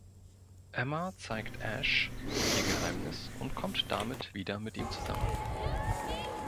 Emma zeigt Ash ihr Geheimnis und kommt damit wieder mit ihm zusammen.